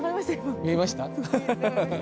見えました？